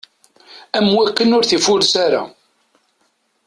Am wakken ur t-ifures ara.